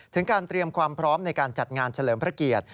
ถึงการเตรียมความพร้อมในการจัดงานเฉลิมพระเกียรติ